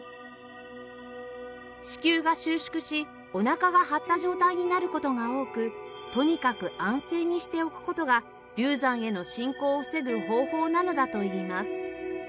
子宮が収縮しおなかが張った状態になる事が多くとにかく安静にしておく事が流産への進行を防ぐ方法なのだといいます